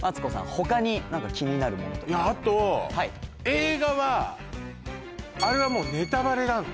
他に何か気になるものとかいやあと映画はあれはもうネタバレなの？